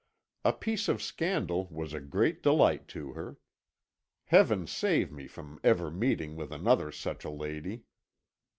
A piece of scandal was a great delight to her. Heaven save me from ever meeting with another such a lady.